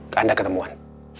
ke anda ketemuan